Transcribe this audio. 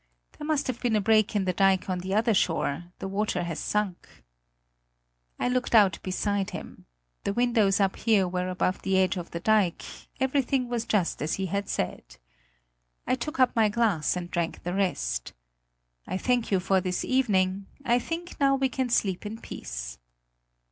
There must have been a break in the dike on the other shore; the water has sunk." I looked out beside him. The windows up here were above the edge of the dike; everything was just as he had said. I took up my glass and drank the rest: "I thank you for this evening. I think now we can sleep in peace."